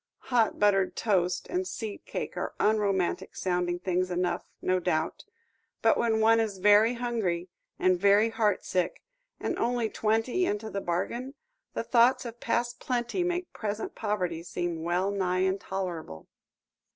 Hot buttered toast and seed cake are unromantic sounding things enough, no doubt, but when one is very hungry, and very heartsick, and only twenty into the bargain, the thoughts of past plenty make present poverty seem well nigh intolerable.